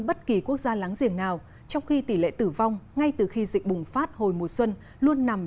bất kỳ quốc gia láng giềng nào trong khi tỷ lệ tử vong ngay từ khi dịch bùng phát hồi mùa xuân luôn nằm